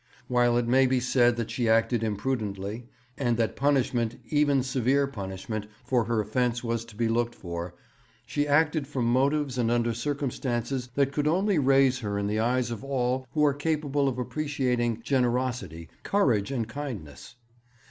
While it may be said that she acted imprudently, and that punishment, and even severe punishment, for her offence was to be looked for, she acted from motives and under circumstances that could only raise her in the eyes of all who are capable of appreciating generosity, courage, and kindness.